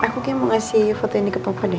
aku kayaknya mau ngasih foto ini ke papa deh